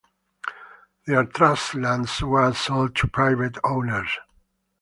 Their trust lands were sold to private owners.